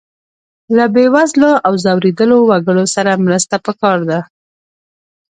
له بې وزلو او ځورېدلو وګړو سره مرسته پکار ده.